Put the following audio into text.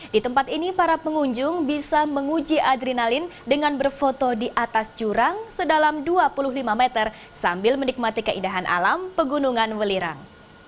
di tempat ini para pengunjung bisa menguji adrenalin dengan berfoto di atas jurang sedalam dua puluh lima meter sambil menikmati keindahan alam pegunungan welirang